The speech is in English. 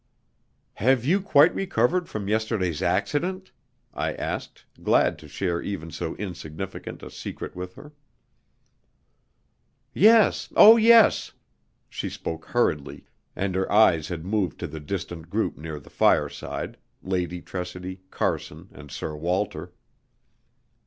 "Have you quite recovered from yesterday's accident?" I asked, glad to share even so insignificant a secret with her. "Yes, oh, yes!" She spoke hurriedly, and her eyes had moved to the distant group near the fireside Lady Tressidy, Carson and Sir Walter.